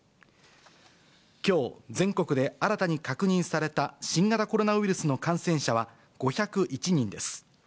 きょう全国で新たに確認された新型コロナウイルスの感染者は５０１人です。